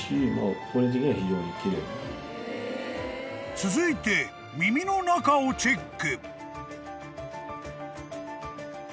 ［続いて耳の中をチェック］